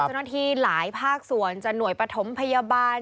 จนที่หลายภาคส่วนจะหน่วยประถมพยาบาล